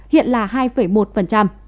hiện là hai một